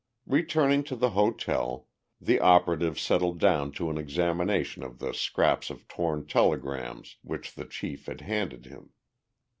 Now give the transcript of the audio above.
Returning to the hotel, the operative settled down to an examination of the scraps of torn telegrams which the chief had handed him.